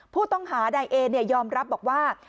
ผู้ต้องหานายเอยอมรับบอกว่า